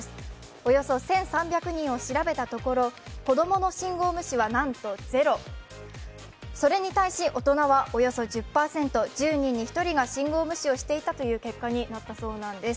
およそ１３００人を調べたところ、子供の信号無視はなんとゼロ、それに対し大人はおよそ１０％、１０人に１人が信号無視をしていたという結果になったそうです。